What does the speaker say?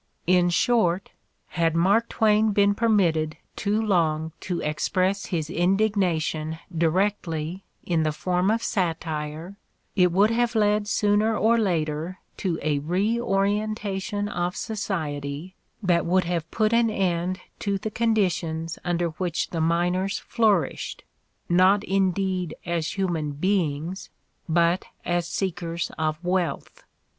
In short, had Mark Twain been permitted too long to express his indignation directly in the form of satire, it would have led sooner or later to a reorientation of society that would have put an end to the conditions under which the miners flourished, not indeed as human beings, but as seekers of wealth.